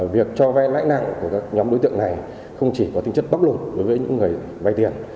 việc cho vay lãi nặng của các nhóm đối tượng này không chỉ có tính chất bóc lột đối với những người vay tiền